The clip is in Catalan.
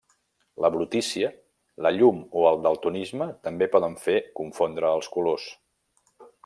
La brutícia, la llum o el daltonisme també poden fer confondre els colors.